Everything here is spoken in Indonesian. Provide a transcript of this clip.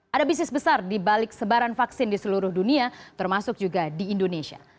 ada bisnis besar dibalik sebaran vaksin di seluruh dunia termasuk juga di indonesia